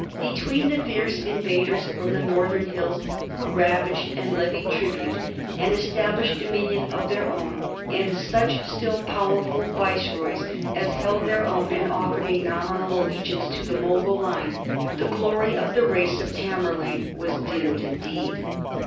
Between the fierce invaders from the northern hills who ravaged, and levied tribute, and established dominion of their own, and such still power ful viceroys as held their own, and offered a nominal allegiance to the Mogul line, the glory of the race of Tamerlane was dimmed indeed.